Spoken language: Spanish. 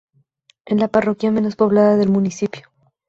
Es la parroquia menos poblada del municipio.